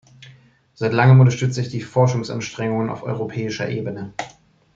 Seit langem unterstütze ich die Forschungsanstrengungen auf europäischer Ebene.